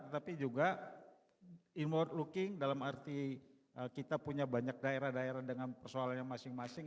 tetapi juga inward looking dalam arti kita punya banyak daerah daerah dengan persoalan yang masing masing